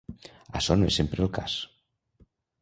Açò no és sempre el cas.